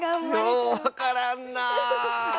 ようわからんなあ。